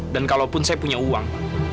dan kalaupun saya punya uang